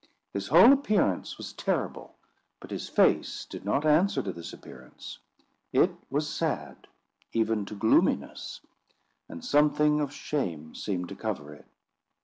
His whole appearance was terrible; but his face did not answer to this appearance. It was sad, even to gloominess; and something of shame seemed to cover it.